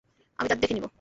আমি তাদের দেখে নিবো।